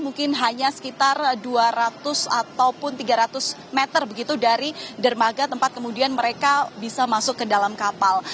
mungkin hanya sekitar dua ratus ataupun tiga ratus meter begitu dari dermaga tempat kemudian mereka bisa masuk ke dalam kapal